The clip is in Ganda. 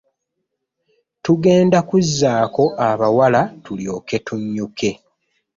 Tugenda kuzzaako abawala tulyoke tunnyuke.